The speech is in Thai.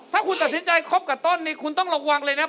ถ้าคุณตัดสินใจคบกับต้นนี่คุณต้องระวังเลยนะครับ